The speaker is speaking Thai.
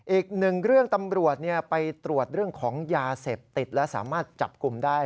อีกหนึ่งเรื่องตำรวจไปตรวจเรื่องของยาเสพติดและสามารถจับกลุ่มได้